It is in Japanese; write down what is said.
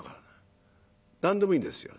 何でもいいんですよ。